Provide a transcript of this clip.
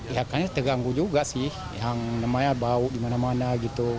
ya kayaknya terganggu juga sih yang namanya bau di mana mana gitu